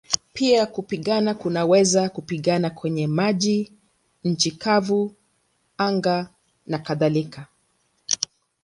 Pia kupigana kunaweza kupigana kwenye maji, nchi kavu, anga nakadhalika.